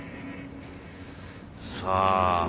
さあ。